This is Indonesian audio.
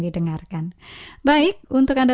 didengarkan baik untuk anda